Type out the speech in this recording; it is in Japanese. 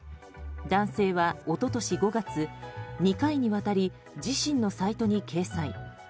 男性は、一昨年５月２回にわたり自身のサイトに掲載。